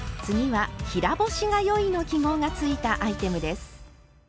次は「平干しがよい」の記号がついたアイテムです。